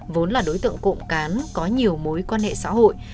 vốn là đối tượng cộng cán có nhiều mối quan hệ xã hội